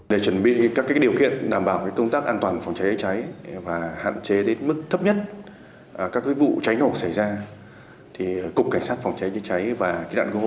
để chuẩn bị các điều kiện đảm bảo công tác an toàn phòng cháy cháy và hạn chế đến mức thấp nhất các vụ cháy nổ xảy ra